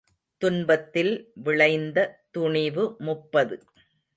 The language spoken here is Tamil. துன்பத்தில் விளைந்த துணிவு முப்பது.